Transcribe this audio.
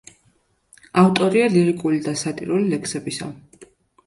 ავტორია ლირიკული და სატირული ლექსებისა.